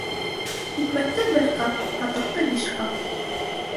Икмәкте бер ҡап, ҡатыҡты биш ҡап.